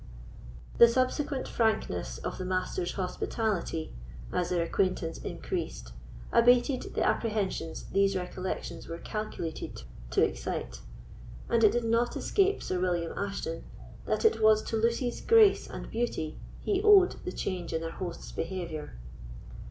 The subsequent frankness of the Master's hospitality, as their acquaintance increased, abated the apprehensions these recollections were calculated to excite; and it did not escape Sir William Ashton, that it was to Lucy's grace and beauty he owed the change in their host's behavior.